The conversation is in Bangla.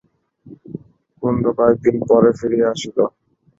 কুন্দ কয়েকদিন পরে ফিরিয়া আসিল।